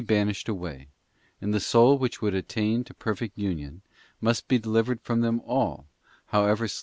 banished away, and the soul which would attain to perfect union must be delivered from them all, however slight they Answer.